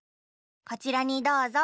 こちらにどうぞ。